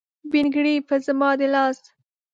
بنګړي به زما د لاس،